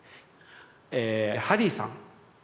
えハリーさん。